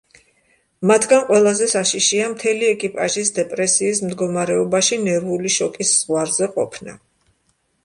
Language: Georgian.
მათგან ყველაზე საშიშია მთელი ეკიპაჟის დეპრესიის მდგომარეობაში ნერვული შოკის ზღვარზე ყოფნა.